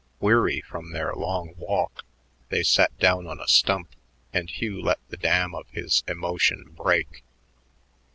Weary from their long walk, they sat down on a stump, and Hugh let the dam of his emotion break.